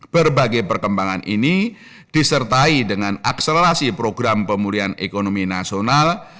berbagai perkembangan ini disertai dengan akselerasi program pemulihan ekonomi nasional